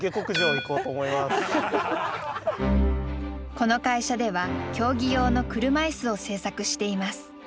この会社では競技用の車いすを製作しています。